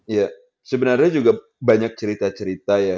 ya sebenarnya juga banyak cerita cerita ya